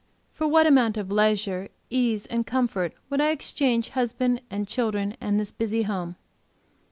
For what amount of leisure, ease and comfort would I exchange husband and children and this busy home?